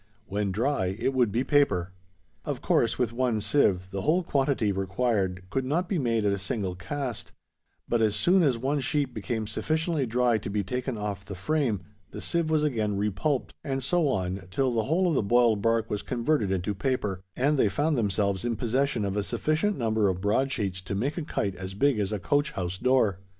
When dry, it would be paper! Of course, with one sieve, the whole quantity required could not be made at a single cast; but, as soon as one sheet became sufficiently dry to be taken off the frame, the sieve was again repulped; and so on, till the whole of the boiled bark was converted into paper; and they found themselves in possession of a sufficient number of broad sheets to make a kite as big as a coach house door.